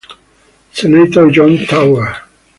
Senator John Tower.